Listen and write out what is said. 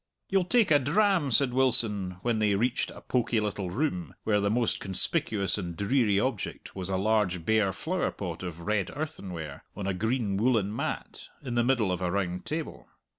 "You'll take a dram?" said Wilson, when they reached a pokey little room where the most conspicuous and dreary object was a large bare flowerpot of red earthenware, on a green woollen mat, in the middle of a round table.